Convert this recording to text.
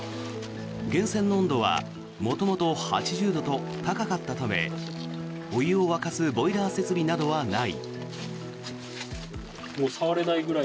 源泉の温度は元々８０度と高かったためお湯を沸かすボイラー設備などはない。